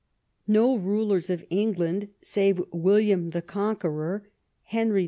No rulers of England save William the Conqueror, Henry II.